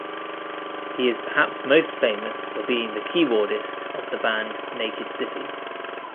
He is perhaps most famous for being the keyboardist of the band Naked City.